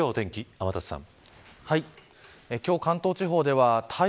天達さん。